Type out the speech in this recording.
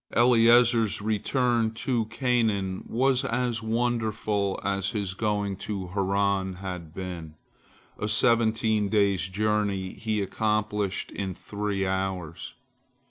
Eliezer's return to Canaan was as wonderful as his going to Haran had been. A seventeen days' journey he accomplished in three hours.